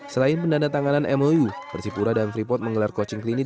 selain pendana tanganan mou persipura dan freeport menggelar coaching klinik